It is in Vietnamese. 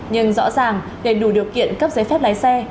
nhưng rõ ràng để đủ điều kiện cấp giấy phép lái xe